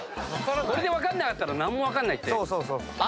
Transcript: これで分からなかったら何も分からないって。